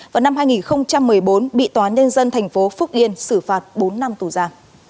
vào năm hai nghìn một mươi bốn bị tòa nhân dân thành phố phúc yên xử phạt bốn năm tù ra